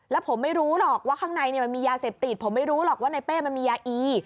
แล้วผมไม่รู้หรอกว่าข้างในมันมียาเสพติดผมไม่รู้หรอกว่าในเป้มันมียาอี